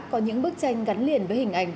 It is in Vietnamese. có những bức tranh gắn liền với hình ảnh